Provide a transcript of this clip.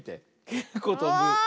けっこうとぶよ。